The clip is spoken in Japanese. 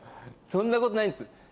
そんなことないよ